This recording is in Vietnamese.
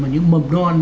những mầm non